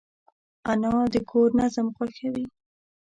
انا د کور نظم خوښوي